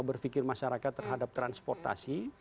berpikir masyarakat terhadap transportasi